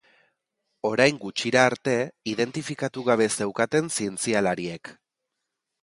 Orain gutxira arte, identifikatu gabe zeukaten zientzialariek.